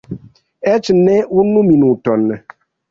Eĉ ne unu minuton!